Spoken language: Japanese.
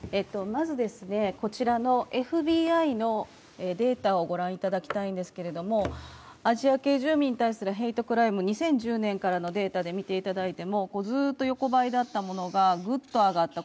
まずこちらのＦＢＩのデータを御覧いただきたいんですが、アジア系住民に対するヘイトクライム、２０１０年からのデータで見ていただいてもずっと横ばいだったものが、グッと上がった。